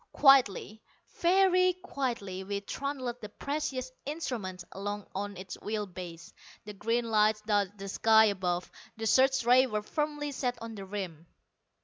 Quietly, very quietly, we trundled the precious instrument along on its wheel base. The green lights dotted the sky above: the search rays were firmly set on the rim.